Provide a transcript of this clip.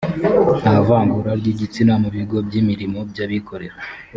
nta vangura ry’igitsina mu bigo by’imirimo by’abikorera